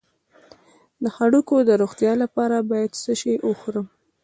د هډوکو د روغتیا لپاره باید څه شی وخورم؟